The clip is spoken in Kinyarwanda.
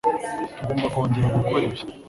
Tugomba kongera gukora ibi.